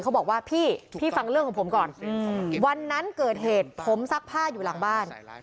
เขาบอกว่าพี่พี่ฟังเรื่องของผมก่อนวันนั้นเกิดเหตุผมซักผ้าอยู่หลังบ้าน